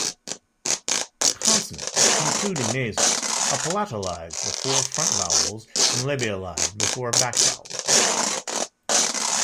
Consonants, including nasals, are palatalized before front vowels and labialized before back vowels.